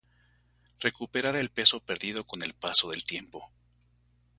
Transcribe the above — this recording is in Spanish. recuperar el peso perdido con el paso del tiempo